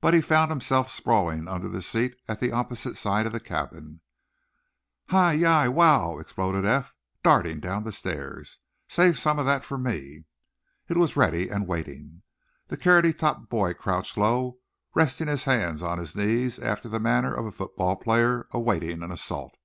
But he found himself sprawling under the seat at the opposite side of the cabin. "Hi, yi! Wow!" exploded Eph, darting down the stairs. "Save some of that for me!" It was ready and waiting. The carroty topped boy crouched low, resting his hands on his knees, after the manner of a football player awaiting an assault.